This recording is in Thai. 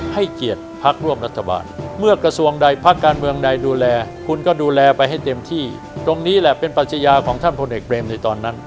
ให้เกียรติพักร่วมรัฐบาลเมื่อกระทรวงใดพักการเมืองใดดูแลคุณก็ดูแลไปให้เต็มที่ตรงนี้แหละเป็นปัชญาของท่านพลเอกเบรมในตอนนั้น